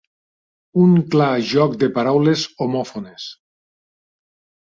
Un clar joc de paraules homòfones.